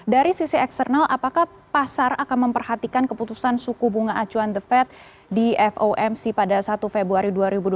dari sisi eksternal apakah pasar akan memperhatikan keputusan suku bunga acuan the fed di fomc pada satu februari dua ribu dua puluh